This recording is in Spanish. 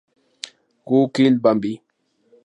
Who Killed Bambi?